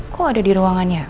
kok ada di ruangannya